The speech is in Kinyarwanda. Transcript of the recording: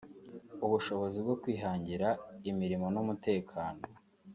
ubushobozi bwo kwihangira imirimo n’umutekano